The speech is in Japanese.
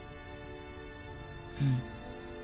うん。